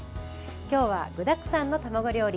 今日は具だくさんの卵料理。